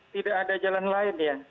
tidak ada jalan lain ya